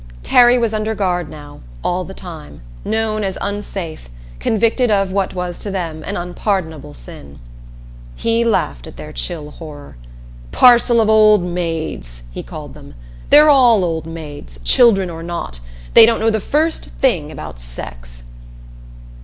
Terry was under guard now, all the time, known as unsafe, convicted of what was to them an unpardonable sin. He laughed at their chill horror. "Parcel of old maids!" he called them. "They're all old maids children or not. They don't know the first thing about Sex."